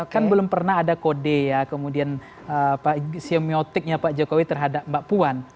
kan belum pernah ada kode ya kemudian semiotiknya pak jokowi terhadap mbak puan